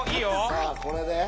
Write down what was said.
さあこれで。